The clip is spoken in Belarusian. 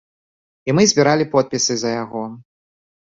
І мы збіралі подпісы за яго.